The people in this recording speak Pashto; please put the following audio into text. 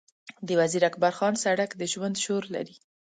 د وزیر اکبرخان سړک د ژوند شور لري.